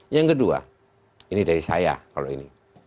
yang kedua ini dari saya kalau ini